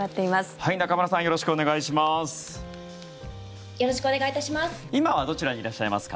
よろしくお願いします。